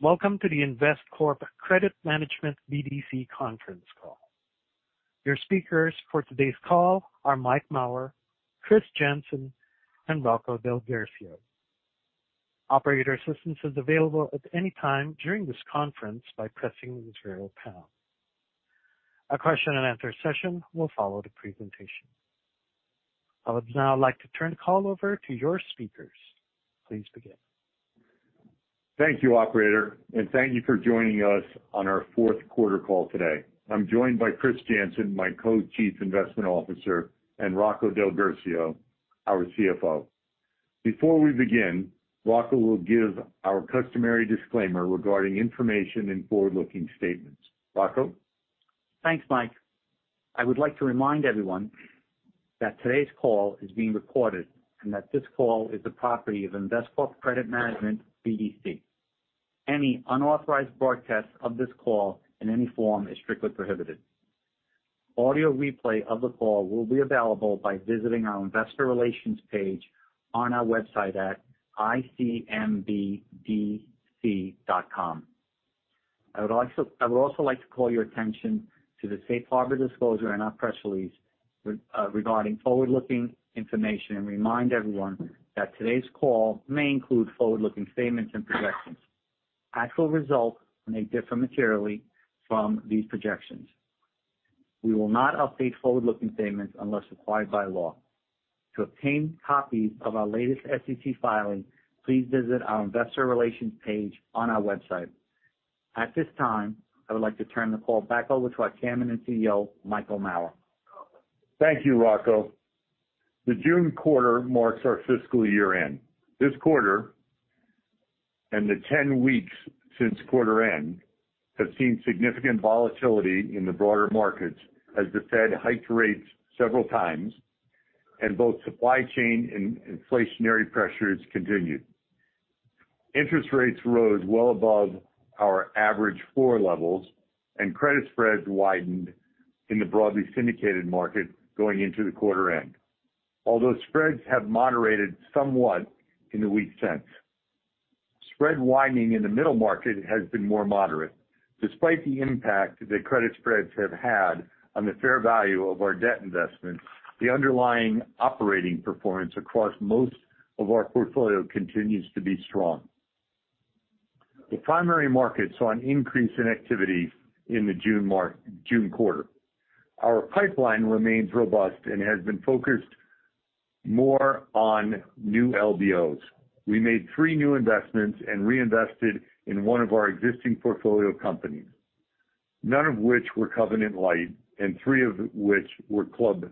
Welcome to the Investcorp Credit Management BDC Conference Call. Your speakers for today's call are Mike Mauer, Chris Jansen, and Rocco DelGuercio. Operator assistance is available at any time during this conference by pressing the zero pound. A question and answer session will follow the presentation. I would now like to turn the call over to your speakers. Please begin. Thank you, operator, and thank you for joining us on our Q4 call today. I'm joined by Chris Jansen, my Co-Chief Investment Officer, and Rocco DelGuercio, our CFO. Before we begin, Rocco will give our customary disclaimer regarding information and forward-looking statements. Rocco. Thanks, Mike. I would like to remind everyone that today's call is being recorded and that this call is the property of Investcorp Credit Management BDC. Any unauthorized broadcast of this call in any form is strictly prohibited. Audio replay of the call will be available by visiting our investor relations page on our website at icmbdc.com. I would also like to call your attention to the safe harbor disclosure in our press release regarding forward-looking information and remind everyone that today's call may include forward-looking statements and projections. Actual results may differ materially from these projections. We will not update forward-looking statements unless required by law. To obtain copies of our latest SEC filings, please visit our investor relations page on our website. At this time, I would like to turn the call back over to our Chairman and CEO, Michael Mauer. Thank you, Rocco. The June quarter marks our fiscal year-end. This quarter, and the 10 weeks since quarter end, have seen significant volatility in the broader markets as the Fed hiked rates several times and both supply chain and inflationary pressures continued. Interest rates rose well above our average 4 levels, and credit spreads widened in the broadly syndicated market going into the quarter end. Although spreads have moderated somewhat in the weeks since. Spread widening in the middle market has been more moderate. Despite the impact that credit spreads have had on the fair value of our debt investments, the underlying operating performance across most of our portfolio continues to be strong. The primary market saw an increase in activity in the June quarter. Our pipeline remains robust and has been focused more on new LBOs. We made three new investments and reinvested in one of our existing portfolio companies, none of which were covenant light and three of which were club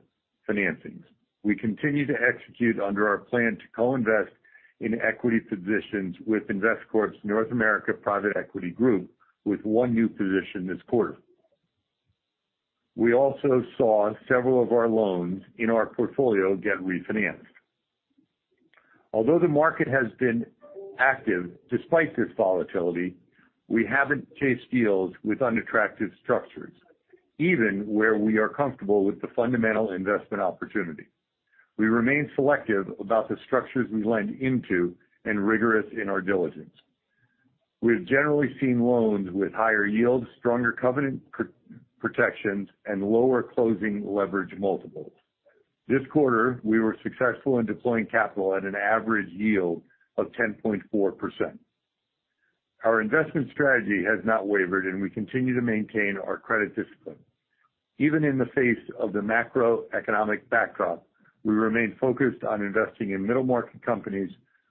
financings. We continue to execute under our plan to co-invest in equity positions with Investcorp's North America private equity group with one new position this quarter. We also saw several of our loans in our portfolio get refinanced. Although the market has been active despite this volatility, we haven't chased deals with unattractive structures, even where we are comfortable with the fundamental investment opportunity. We remain selective about the structures we lend into and rigorous in our diligence. We've generally seen loans with higher yields, stronger covenant protections, and lower closing leverage multiples. This quarter, we were successful in deploying capital at an average yield of 10.4%. Our investment strategy has not wavered, and we continue to maintain our credit discipline. Even in the face of the macroeconomic backdrop, we remain focused on investing in middle-market companies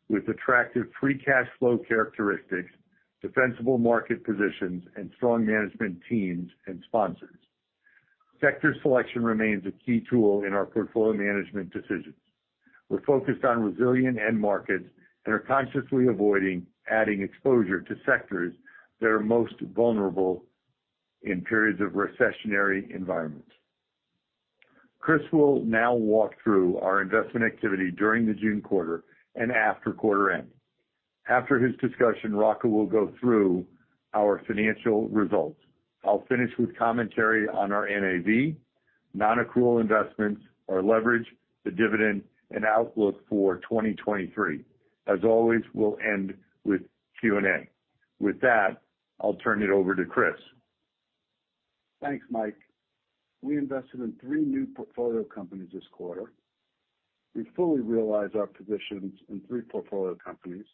with attractive free cash flow characteristics, defensible market positions, and strong management teams and sponsors. Sector selection remains a key tool in our portfolio management decisions. We're focused on resilient end markets and are consciously avoiding adding exposure to sectors that are most vulnerable in periods of recessionary environments. Chris will now walk through our investment activity during the June quarter and after quarter end. After his discussion, Rocco will go through our financial results. I'll finish with commentary on our NAV, non-accrual investments, our leverage, the dividend, and outlook for 2023. As always, we'll end with Q&A. With that, I'll turn it over to Chris. Thanks, Mike. We invested in three new portfolio companies this quarter. We fully realized our positions in three portfolio companies.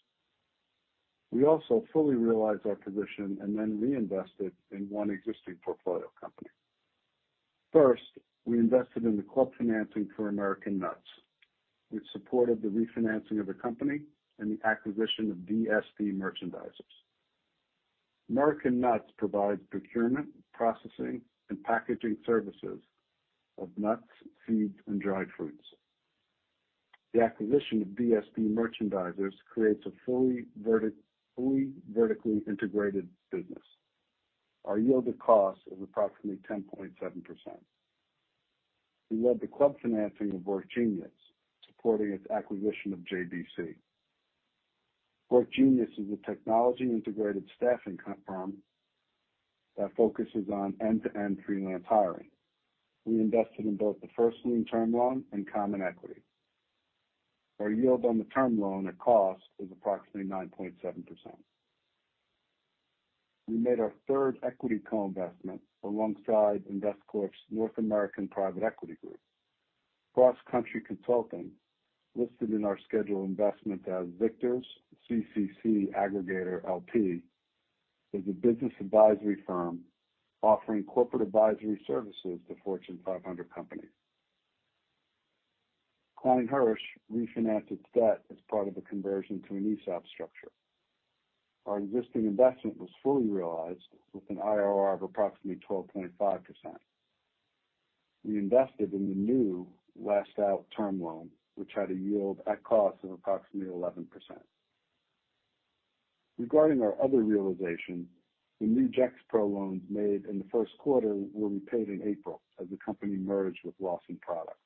We also fully realized our position and then reinvested in one existing portfolio company. First, we invested in the club financing for American Nuts, which supported the refinancing of the company and the acquisition of DSD Merchandisers. American Nuts provides procurement, processing, and packaging services of nuts, seeds, and dried fruits. The acquisition of DSD Merchandisers creates a fully vertically integrated business. Our yield of cost is approximately 10.7%. We led the club financing of WorkGenius, supporting its acquisition of JBC. WorkGenius is a technology-integrated staffing firm that focuses on end-to-end freelance hiring. We invested in both the first lien term loan and common equity. Our yield on the term loan at cost is approximately 9.7%. We made our third equity co-investment alongside Investcorp's North American private equity group. CrossCountry Consulting, listed in our scheduled investment as Victors CCC Aggregator LP, is a business advisory firm offering corporate advisory services to Fortune 500 companies. Klein Hersh refinanced its debt as part of a conversion to an ESOP structure. Our existing investment was fully realized with an IRR of approximately 12.5%. We invested in the new last out term loan, which had a yield at cost of approximately 11%. Regarding our other realization, the new Gexpro loans made in the Q1 were repaid in April as the company merged with Lawson Products.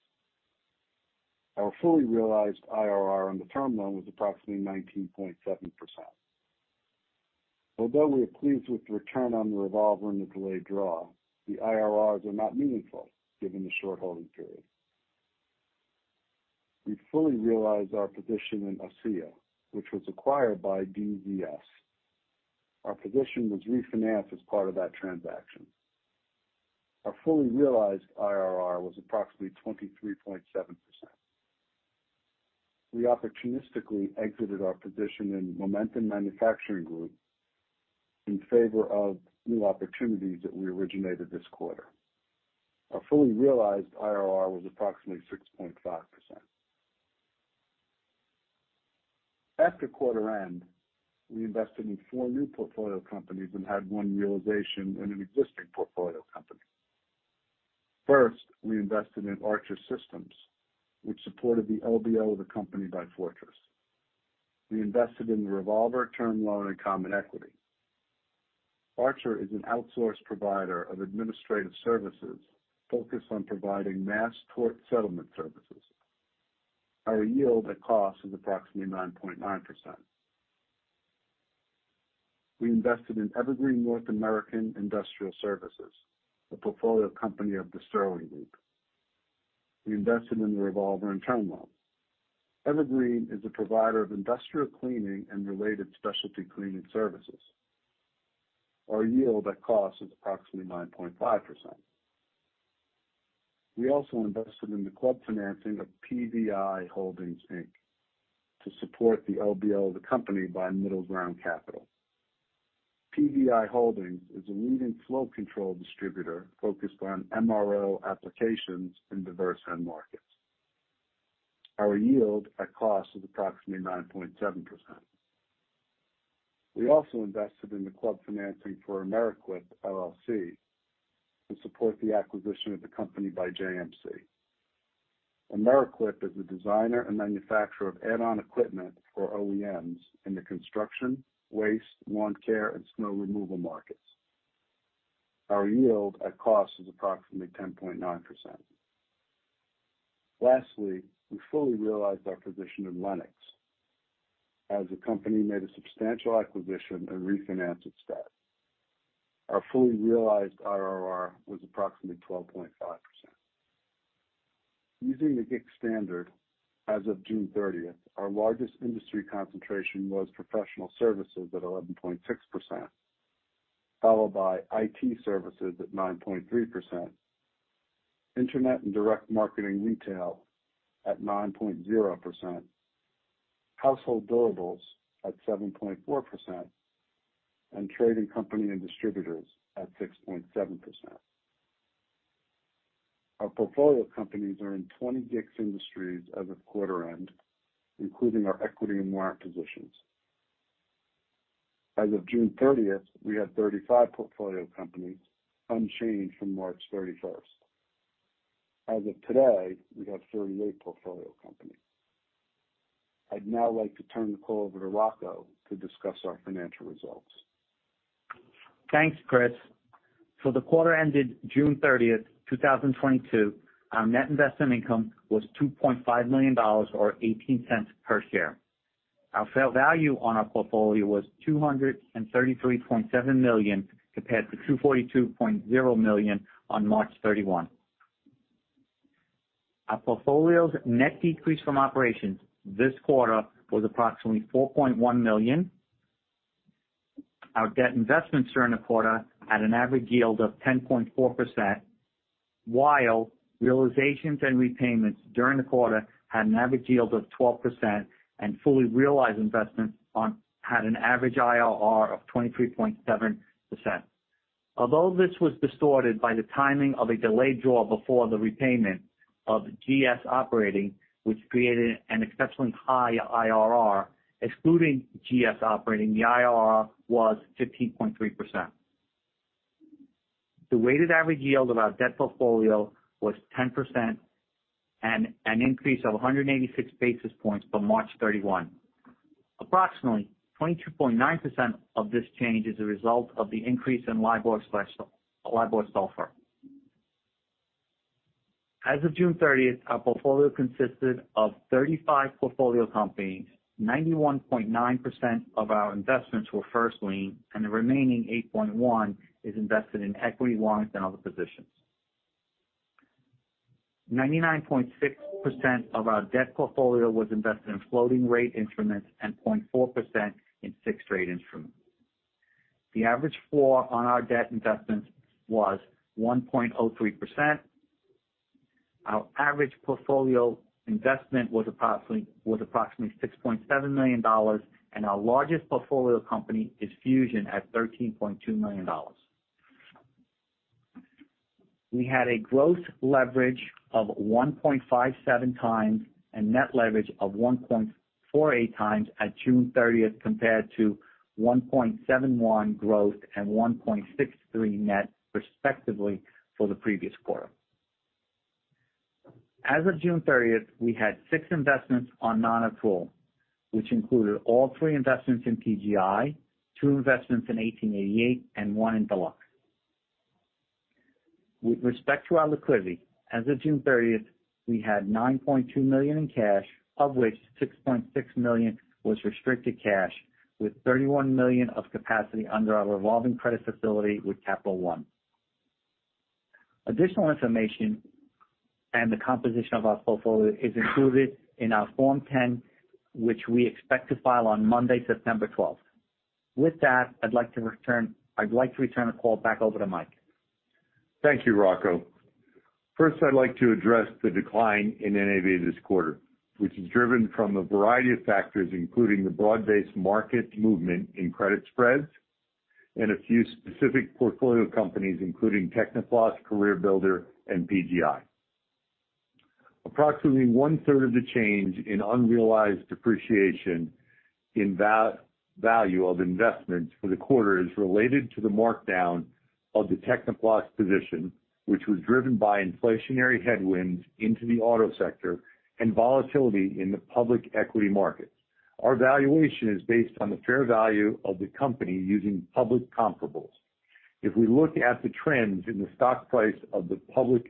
Our fully realized IRR on the term loan was approximately 19.7%. Although we are pleased with the return on the revolver and the delayed draw, the IRRs are not meaningful given the short holding period. We fully realized our position in ASSIA, which was acquired by DZS. Our position was refinanced as part of that transaction. Our fully realized IRR was approximately 23.7%. We opportunistically exited our position in Momentum Manufacturing Group in favor of new opportunities that we originated this quarter. Our fully realized IRR was approximately 6.5%. After quarter end, we invested in four new portfolio companies and had one realization in an existing portfolio company. First, we invested in Archer Systems, which supported the LBO of the company by Fortress. We invested in the revolver term loan and common equity. Archer is an outsource provider of administrative services focused on providing mass tort settlement services. Our yield at cost is approximately 9.9%. We invested in Evergreen North America Industrial Services, a portfolio company of The Sterling Group. We invested in the revolver and term loan. Evergreen is a provider of industrial cleaning and related specialty cleaning services. Our yield at cost is approximately 9.5%. We also invested in the club financing of PVI Holdings, Inc. to support the LBO of the company by MiddleGround Capital. PVI Holdings is a leading flow control distributor focused on MRO applications in diverse end markets. Our yield at cost is approximately 9.7%. We also invested in the club financing for Amerequip LLC to support the acquisition of the company by JMC. Amerequip is a designer and manufacturer of add-on equipment for OEMs in the construction, waste, lawn care, and snow removal markets. Our yield at cost is approximately 10.9%. Lastly, we fully realized our position in Lenox as the company made a substantial acquisition and refinanced its debt. Our fully realized IRR was approximately 12.5%. Using the GICS standard, as of June 13th, our largest industry concentration was professional services at 11.6%, followed by IT services at 9.3%, internet and direct marketing retail at 9.0%, household durables at 7.4%, and trading company and distributors at 6.7%. Our portfolio companies are in 20 GICS industries as of quarter end, including our equity and warrant positions. As of June 13th, we had 35 portfolio companies, unchanged from March 31st. As of today, we have 38 portfolio companies. I'd now like to turn the call over to Rocco to discuss our financial results. Thanks, Chris. For the quarter ended June 30, 2022, our net investment income was $2.5 million or $0.18 per share. Our fair value on our portfolio was $233.7 million compared to $242.0 million on March 31. Our portfolio's net decrease from operations this quarter was approximately $4.1 million. Our debt investments during the quarter had an average yield of 10.4%, while realizations and repayments during the quarter had an average yield of 12% and fully realized investments had an average IRR of 23.7%. Although this was distorted by the timing of a delayed draw before the repayment of GS Operating, which created an exceptionally high IRR, excluding GS Operating, the IRR was 15.3%. The weighted average yield of our debt portfolio was 10% and an increase of 186 basis points from March 31. Approximately 22.9% of this change is a result of the increase in LIBOR / SOFR. As of June 30th, our portfolio consisted of 35 portfolio companies. 91.9% of our investments were first lien, and the remaining 8.1% is invested in equity warrants and other positions. 99.6% of our debt portfolio was invested in floating rate instruments and 0.4% in fixed-rate instruments. The average floor on our debt investments was 1.03%. Our average portfolio investment was approximately $6.7 million, and our largest portfolio company is Fusion at $13.2 million. We had a gross leverage of 1.57x and net leverage of 1.48x at June 30th compared to 1.71 gross and 1.63 net respectively for the previous quarter. As of June 30th, we had six investments on non-accrual, which included all three investments in PGi, two investments in 1888, and one in Deluxe. With respect to our liquidity, as of June 30th, we had $9.2 million in cash, of which $6.6 million was restricted cash, with $31 million of capacity under our revolving credit facility with Capital One. Additional information and the composition of our portfolio is included in our Form 10-K, which we expect to file on Monday, September 12th. With that, I'd like to return the call back over to Mike. Thank you, Rocco. First, I'd like to address the decline in NAV this quarter, which is driven from a variety of factors, including the broad-based market movement in credit spreads and a few specific portfolio companies, including Techniplas, CareerBuilder, and PGi. Approximately 1/3 of the change in unrealized appreciation in fair value of investments for the quarter is related to the markdown of the Techniplas position, which was driven by inflationary headwinds into the auto sector and volatility in the public equity markets. Our valuation is based on the fair value of the company using public comparables. If we look at the trends in the stock price of the public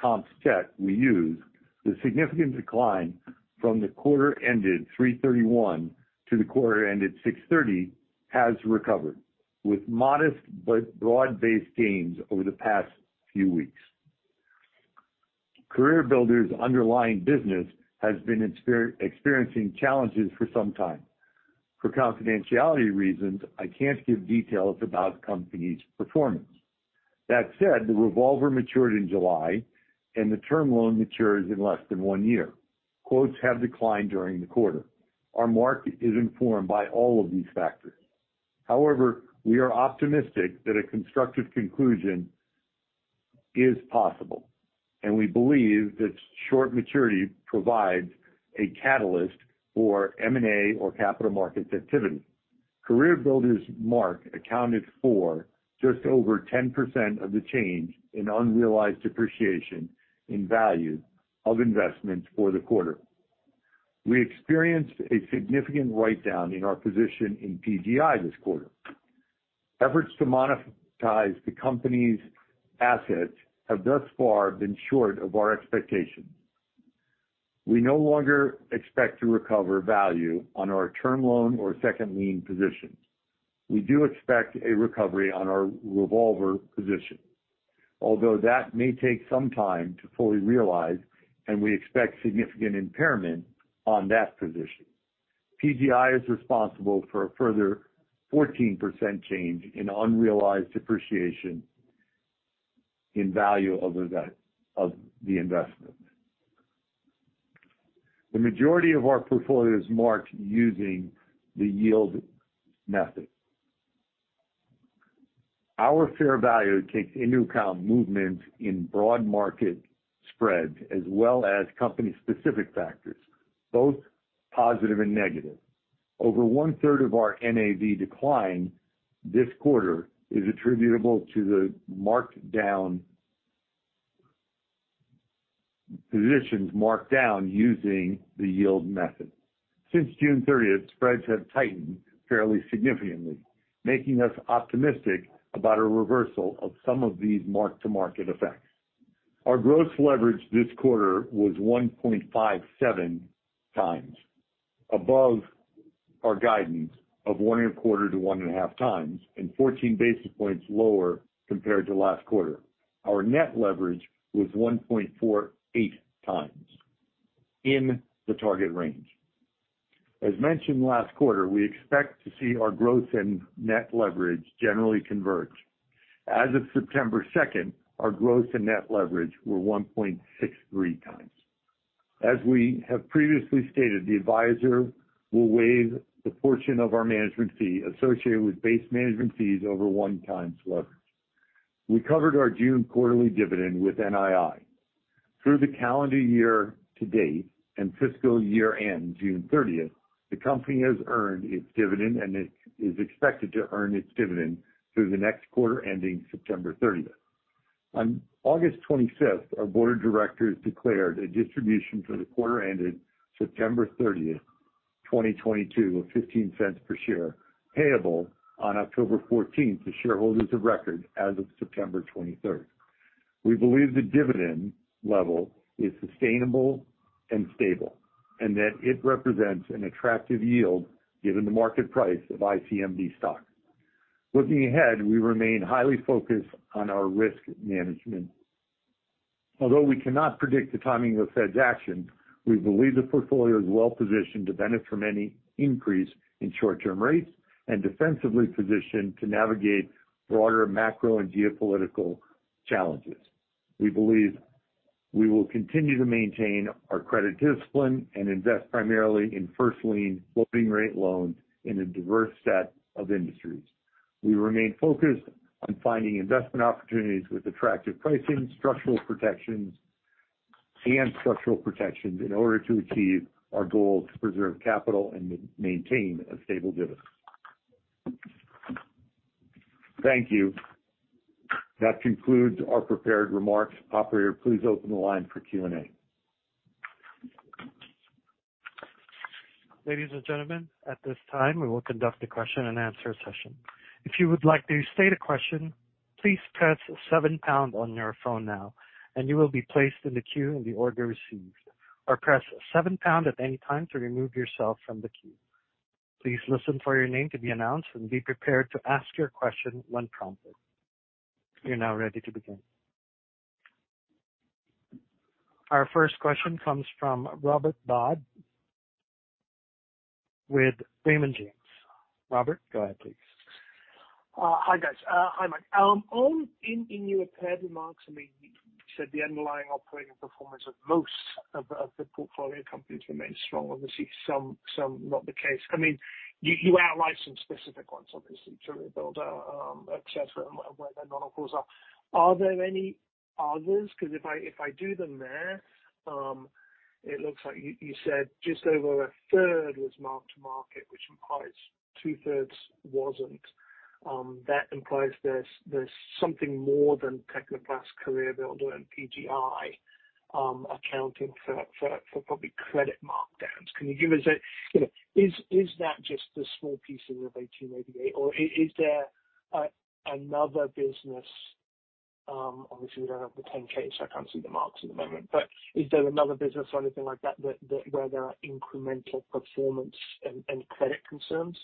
comps set we use, the significant decline from the quarter ended 3/31 to the quarter ended 6/30 has recovered with modest but broad-based gains over the past few weeks. CareerBuilder's underlying business has been experiencing challenges for some time. For confidentiality reasons, I can't give details about the company's performance. That said, the revolver matured in July, and the term loan matures in less than one year. Quotes have declined during the quarter. Our market is informed by all of these factors. However, we are optimistic that a constructive conclusion is possible, and we believe that short maturity provides a catalyst for M&A or capital markets activity. CareerBuilder's mark accounted for just over 10% of the change in unrealized appreciation in value of investments for the quarter. We experienced a significant write-down in our position in PGi this quarter. Efforts to monetize the company's assets have thus far been short of our expectations. We no longer expect to recover value on our term loan or second lien position. We do expect a recovery on our revolver position, although that may take some time to fully realize, and we expect significant impairment on that position. PGi is responsible for a further 14% change in unrealized appreciation in value of of the investment. The majority of our portfolio is marked using the yield method. Our fair value takes into account movement in broad market spreads as well as company-specific factors, both positive and negative. Over 1/3 of our NAV decline this quarter is attributable to the marked-down positions marked down using the yield method. Since June 30th, spreads have tightened fairly significantly, making us optimistic about a reversal of some of these mark-to-market effects. Our gross leverage this quarter was 1.57x above our guidance of 1.25x to 1.5x, and 14 basis points lower compared to last quarter. Our net leverage was 1.48x in the target range. As mentioned last quarter, we expect to see our growth in net leverage generally converge. As of September 2nd, our growth and net leverage were 1.63x. As we have previously stated, the advisor will waive the portion of our management fee associated with base management fees over 1x leverage. We covered our June quarterly dividend with NII. Through the calendar year to date and fiscal year end, June 30th, the company has earned its dividend and it is expected to earn its dividend through the next quarter ending September 30. On August 25th, our board of directors declared a distribution for the quarter ended September 30th, 2022 of $0.15 per share, payable on October 14th to shareholders of record as of September 23rd. We believe the dividend level is sustainable and stable, and that it represents an attractive yield given the market price of ICMB stock. Looking ahead, we remain highly focused on our risk management. Although we cannot predict the timing of Fed's action, we believe the portfolio is well-positioned to benefit from any increase in short-term rates and defensively positioned to navigate broader macro and geopolitical challenges. We believe we will continue to maintain our credit discipline and invest primarily in first lien floating rate loans in a diverse set of industries. We remain focused on finding investment opportunities with attractive pricing, structural protections in order to achieve our goal to preserve capital and maintain a stable dividend. Thank you. That concludes our prepared remarks. Operator, please open the line for Q&A. Ladies and gentlemen, at this time, we will conduct a question-and-answer session. If you would like to state a question, please press seven pound on your phone now, and you will be placed in the queue in the order received. Or press seven pound at any time to remove yourself from the queue. Please listen for your name to be announced, and be prepared to ask your question when prompted. We are now ready to begin. Our first question comes from Robert Dodd with Raymond James. Robert, go ahead, please. Hi, guys. Hi, Mike. In your prepared remarks, I mean, you said the underlying operating performance of most of the portfolio companies remains strong. Obviously some not the case. I mean, you outlined some specific ones, obviously, CareerBuilder, etc., and where their non-accruals are. Are there any others? 'Cause if I do them there, it looks like you said just over a third was marked to market, which implies 2/3 wasn't. That implies there's something more than Techniplas, CareerBuilder, and PGi accounting for probably credit markdowns. Can you give us a... You know, is that just a small piece of the 1888? Or is there another business, obviously we don't have the 10-K, so I can't see the marks at the moment. Is there another business or anything like that that where there are incremental performance and credit concerns?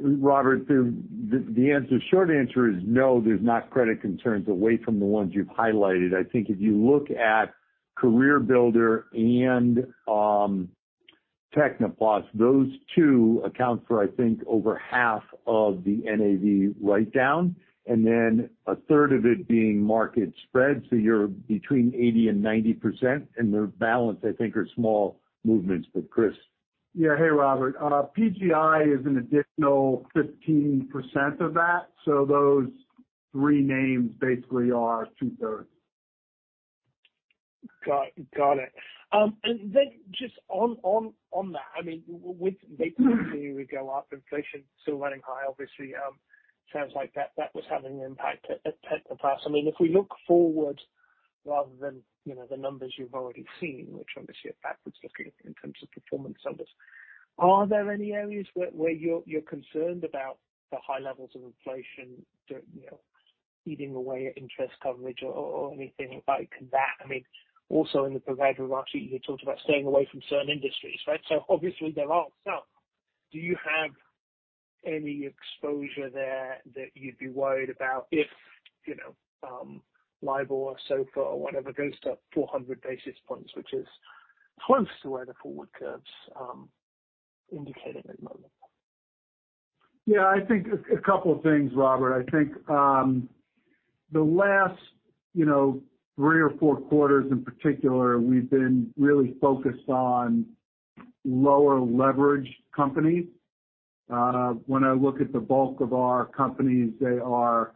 Robert, the short answer is no, there's not credit concerns away from the ones you've highlighted. I think if you look at CareerBuilder and Techniplas, those two account for, I think, over half of the NAV write down, and then a third of it being market spread. So you're between 80%-90%, and the balance I think are small movements. Chris. Yeah. Hey, Robert. PGI is an additional 15% of that. Those three names basically are 2/3. Got it. Then just on that, I mean, with rates continuing to go up, inflation still running high obviously, sounds like that was having an impact at Techniplas. I mean, if we look forward rather than, you know, the numbers you've already seen, which obviously are backward-looking in terms of performance numbers, are there any areas where you're concerned about the high levels of inflation, you know, eating away at interest coverage or anything like that? I mean, also in the prepared remarks you had talked about staying away from certain industries, right? Obviously there are some. Do you have any exposure there that you'd be worried about if, you know, LIBOR or SOFR or whatever goes to 400 basis points, which is close to where the forward curves indicate it at the moment? Yeah. I think a couple of things, Robert. I think the last, you know, three or four quarters in particular, we've been really focused on lower leverage companies. When I look at the bulk of our companies, they are,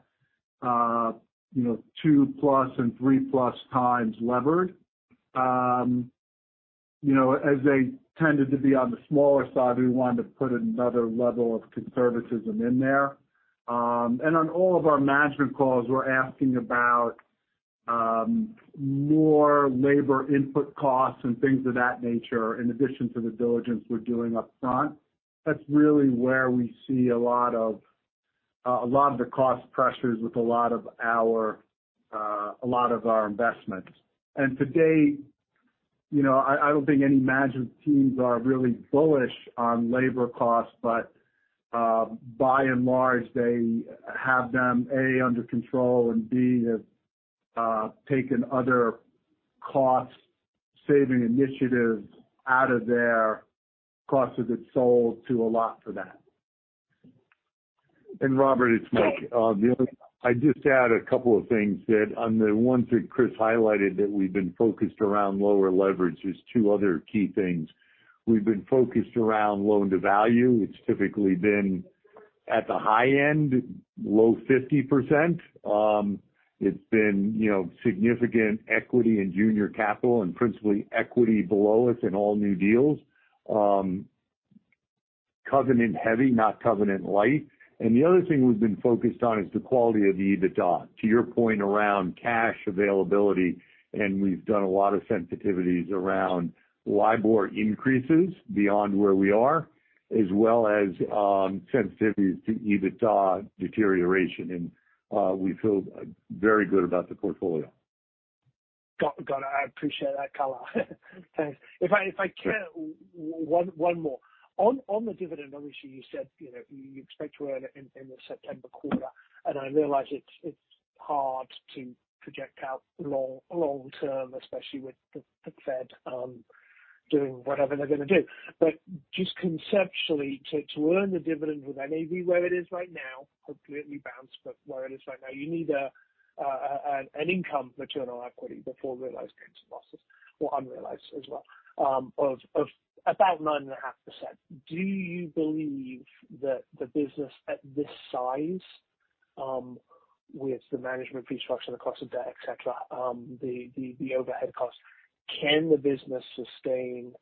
you know, two-plus and three-plus times levered. You know, as they tended to be on the smaller side, we wanted to put another level of conservatism in there. On all of our management calls, we're asking about more labor input costs and things of that nature in addition to the diligence we're doing up front. That's really where we see a lot of the cost pressures with a lot of our investments. To date, you know, I don't think any management teams are really bullish on labor costs. By and large, they have them A under control and B have taken other cost saving initiatives out of their cost of goods sold to allow for that. Robert, it's Mike. I'd just add a couple of things that on the ones that Chris highlighted that we've been focused around lower leverage. There's two other key things. We've been focused around loan-to-value. It's typically been at the high end, low 50%. It's been, you know, significant equity in junior capital and principally equity below us in all new deals. Covenant heavy, not covenant light. The other thing we've been focused on is the quality of EBITDA. To your point around cash availability, and we've done a lot of sensitivities around LIBOR increases beyond where we are, as well as, sensitivity to EBITDA deterioration. We feel very good about the portfolio. Got it. I appreciate that color. Thanks. If I can, one more. On the dividend issue, you said, you know, you expect to earn it in the September quarter. I realize it's hard to project out long-term, especially with the Fed doing whatever they're gonna do. But just conceptually, to earn the dividend with NAV where it is right now, hopefully it'll bounce, but where it is right now, you need an income return on equity before realized gains or losses or unrealized as well, of about 9.5%. Do you believe that the business at this size, with the management fee structure, the cost of debt, etc., the overhead costs, can the business sustain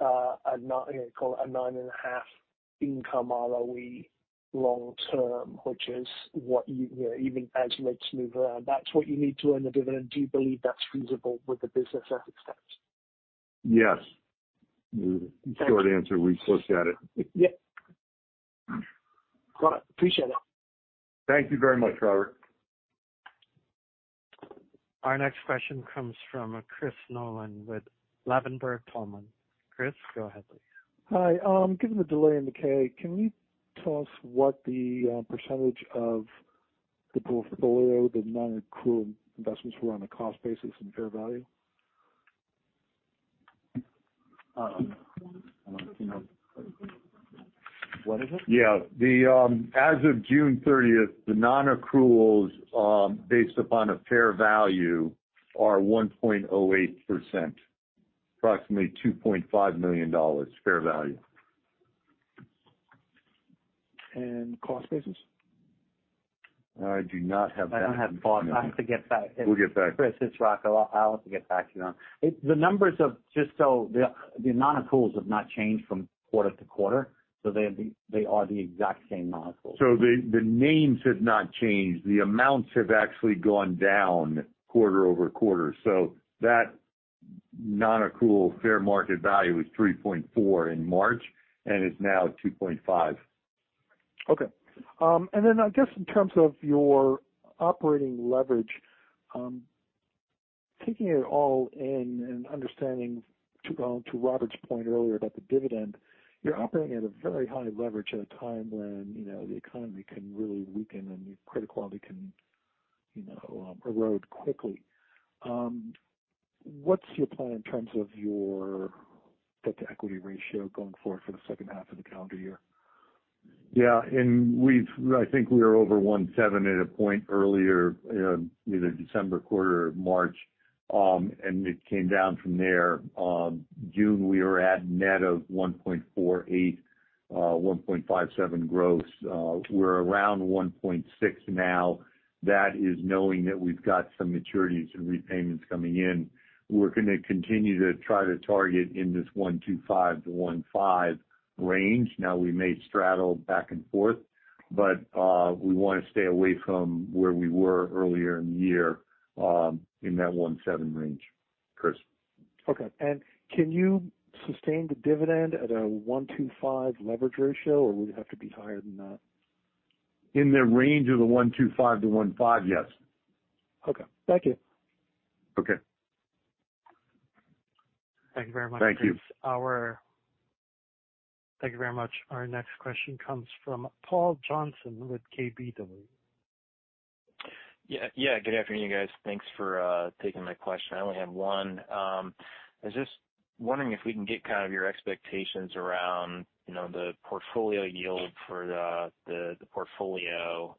a nine. Call it a 9.5% income ROE long-term, which is what you know, even as rates move around, that's what you need to earn the dividend. Do you believe that's feasible with the business as it stands? Yes. The short answer. We've looked at it. Yeah. Got it. Appreciate it. Thank you very much, Robert. Our next question comes from Christopher Nolan with Ladenburg Thalmann. Chris, go ahead please. Hi. Given the delay in the K, can you tell us what the percentage of the portfolio, the non-accrual investments were on a cost basis and fair value? Do you know? What is it? Yeah. As of June 30th, the non-accruals based upon a fair value are 1.08%, approximately $2.5 million fair value. Cost basis? I do not have that. I don't have cost. I have to get back to you. We'll get back to you. Chris, it's Rocco. I'll have to get back to you on the numbers. Just so the non-accruals have not changed from quarter-to-quarter, so they are the exact same non-accruals. The names have not changed. The amounts have actually gone down quarter-over-quarter. That non-accrual fair market value is $3.4 in March and is now $2.5. Okay. And then I guess in terms of your operating leverage, taking it all in and understanding to Robert's point earlier about the dividend, you're operating at a very high leverage at a time when, you know, the economy can really weaken and your credit quality can, you know, erode quickly. What's your plan in terms of your debt-to-equity ratio going forward for the second half of the calendar year? Yeah. I think we are over 1.7 at a point earlier in either December quarter or March. It came down from there. June we were at net of 1.48, 1.57 gross. We're around 1.6 now. That is knowing that we've got some maturities and repayments coming in. We're gonna continue to try to target in this 1.25-1.5 range. Now we may straddle back and forth, but we wanna stay away from where we were earlier in the year, in that 1.7 range, Chris. Okay. Can you sustain the dividend at a 1.25 leverage ratio, or would it have to be higher than that? In the range of the 1.25-1.5, yes. Okay, thank you. Okay. Thank you very much, Chris. Thank you. Thank you very much. Our next question comes from Paul Johnson with KBW. Yeah. Yeah, good afternoon, guys. Thanks for taking my question. I only have one. I was just wondering if we can get kind of your expectations around, you know, the portfolio yield for the portfolio.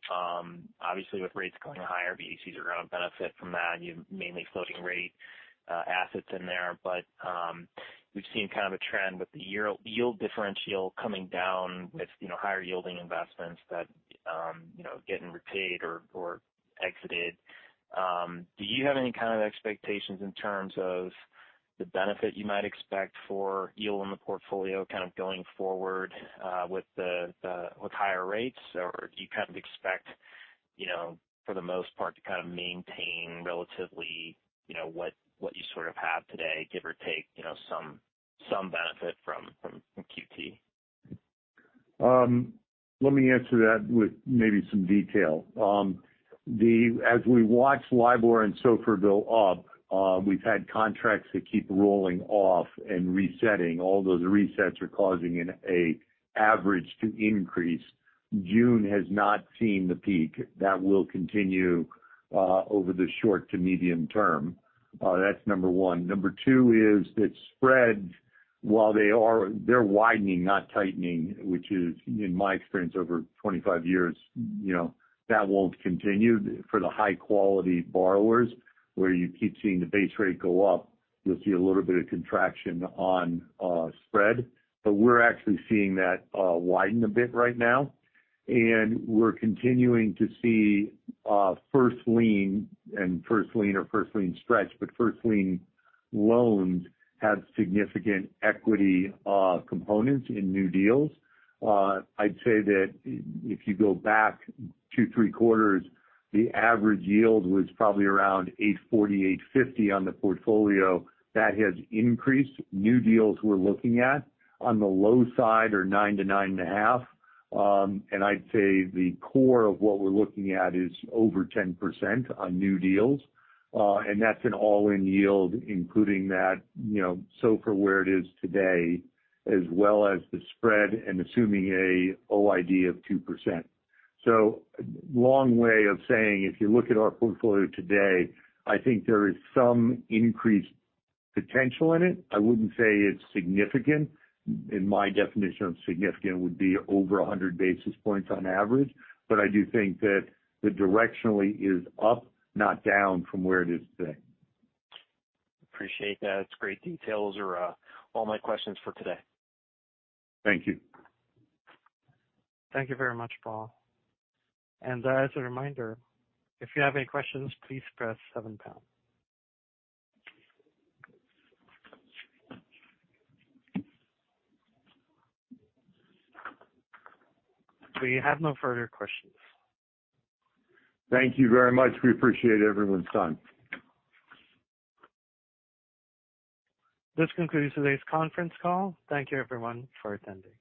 Obviously with rates going higher, BDCs are gonna benefit from that and you've mainly floating rate assets in there. But we've seen kind of a trend with the yield differential coming down with, you know, higher yielding investments that, you know, getting repaid or exited. Do you have any kind of expectations in terms of the benefit you might expect for yield on the portfolio kind of going forward with higher rates? Do you kind of expect, you know, for the most part to kind of maintain relatively, you know, what you sort of have today, give or take, you know, some benefit from QT? Let me answer that with maybe some detail. As we watch LIBOR and SOFR go up, we've had contracts that keep rolling off and resetting. All those resets are causing an average to increase. June has not seen the peak. That will continue over the short to medium term. That's number one. Number two is that spreads, while they are widening, not tightening, which is in my experience over 25 years, you know, that won't continue for the high quality borrowers where you keep seeing the base rate go up, you'll see a little bit of contraction on spread. We're actually seeing that widen a bit right now. We're continuing to see first lien stretch, but first lien loans have significant equity components in new deals. I'd say that if you go back two, three quarters, the average yield was probably around 8.40, 8.50 on the portfolio. That has increased. New deals we're looking at on the low side are 9-9.5. I'd say the core of what we're looking at is over 10% on new deals. That's an all-in yield, including that, you know, SOFR where it is today, as well as the spread and assuming an OID of 2%. Long way of saying if you look at our portfolio today, I think there is some increased potential in it. I wouldn't say it's significant. In my definition of significant would be over 100 basis points on average. I do think that the direction is up, not down from where it is today. Appreciate that. It's great details. Those are all my questions for today. Thank you. Thank you very much, Paul. As a reminder, if you have any questions, please press seven pound. We have no further questions. Thank you very much. We appreciate everyone's time. This concludes today's conference call. Thank you everyone for attending.